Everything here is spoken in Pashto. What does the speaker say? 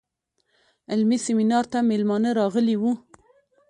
علمي سیمینار ته میلمانه راغلي وو.